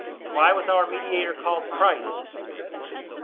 Why was our mediator called Christ?